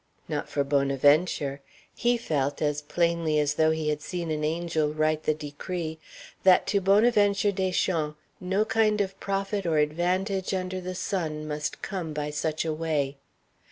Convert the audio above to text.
Not for Bonaventure; he felt, as plainly as though he had seen an angel write the decree, that to Bonaventure Deschamps no kind of profit or advantage under the sun must come by such a way.